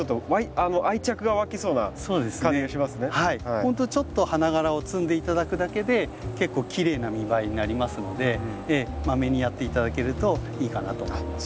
ほんとにちょっと花がらを摘んで頂くだけで結構きれいな見栄えになりますのでまめにやって頂けるといいかなと思います。